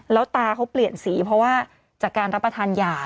แล้วตาเขาเปลี่ยนสีเพราะว่าจากการรับประทานยา